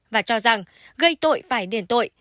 và cho rằng gây tội phải đền tội